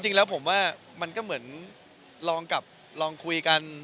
จริงแล้วผมว่ามันก็เหมือนลองกับลองคุยกัน